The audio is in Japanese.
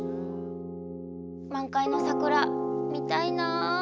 満開の桜見たいなあ。